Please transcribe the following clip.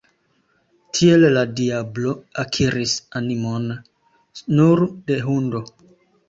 Tiel la diablo akiris animon nur de hundo.